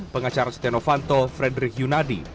pengacara setia novanto frederick yunadi